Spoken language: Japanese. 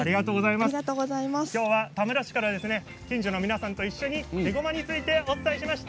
今日は田村市から近所の皆さんと一緒にえごまについてお伝えしました。